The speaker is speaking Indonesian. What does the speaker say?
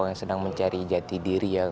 yang sedang mencari jati diri ya